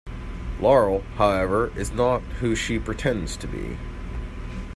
Laurel, however, is not who she pretends to be.